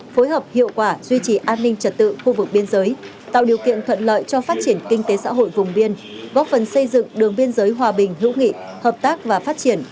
phối hợp hiệu quả duy trì an ninh trật tự khu vực biên giới tạo điều kiện thuận lợi cho phát triển kinh tế xã hội vùng biên góp phần xây dựng đường biên giới hòa bình hữu nghị hợp tác và phát triển